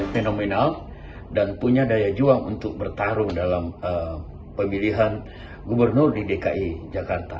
fenomenal dan punya daya juang untuk bertarung dalam pemilihan gubernur di dki jakarta